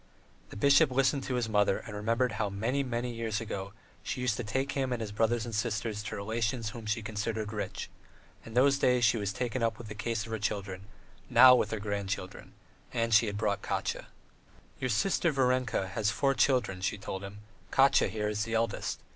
The bishop listened to his mother and remembered how many, many years ago she used to take him and his brothers and sisters to relations whom she considered rich; in those days she was taken up with the care of her children, now with her grandchildren, and she had brought Katya. ... "Your sister, Varenka, has four children," she told him; "Katya, here, is the eldest.